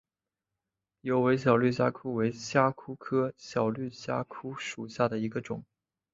疣尾小绿虾蛄为虾蛄科小绿虾蛄属下的一个种。